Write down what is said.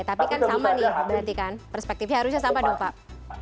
tapi kan sama nih berarti kan perspektifnya harusnya sama dong pak